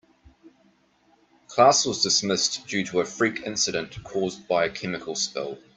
Class was dismissed due to a freak incident caused by a chemical spill.